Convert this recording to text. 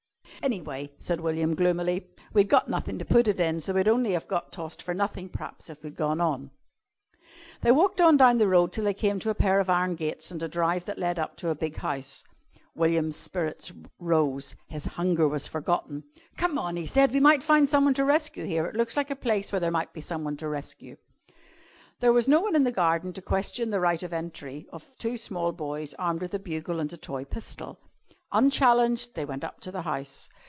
"Anyway," said William gloomily, "we'd got nothin' to put it in, so we'd only of got tossed for nothin', p'raps, if we'd gone on." They walked on down the road till they came to a pair of iron gates and a drive that led up to a big house. William's spirits rose. His hunger was forgotten. "Come on!" he said. "We might find someone to rescue here. It looks like a place where there might be someone to rescue." There was no one in the garden to question the right of entry of two small boys armed with a bugle and a toy pistol. Unchallenged they went up to the house.